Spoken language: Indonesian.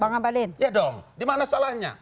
bang abadin ya dong dimana salahnya